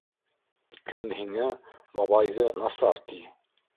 Кем һиңә бабайҙы насар ти?